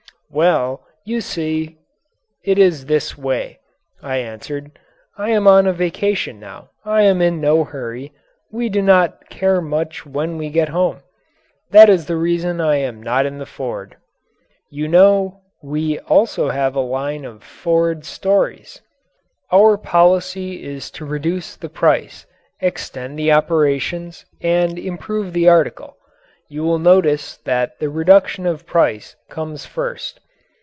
"Well, you see, it is this way," I answered. "I am on a vacation now; I am in no hurry, we do not care much when we get home. That is the reason I am not in the Ford." You know, we also have a line of "Ford stories"! Our policy is to reduce the price, extend the operations, and improve the article. You will notice that the reduction of price comes first.